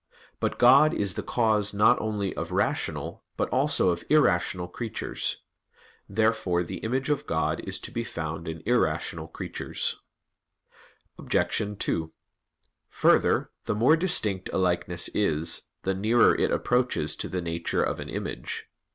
But God is the cause not only of rational, but also of irrational creatures. Therefore the image of God is to be found in irrational creatures. Obj. 2: Further, the more distinct a likeness is, the nearer it approaches to the nature of an image.